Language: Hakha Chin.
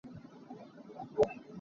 Kan uipi nih fa paruk a hrin.